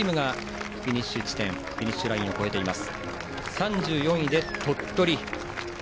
３４位で鳥取。